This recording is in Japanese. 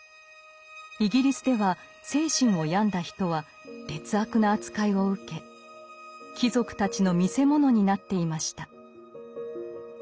イギリスでは精神を病んだ人は劣悪な扱いを受け貴族たちの見せ物になっていました。